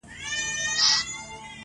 شاعر او شاعره.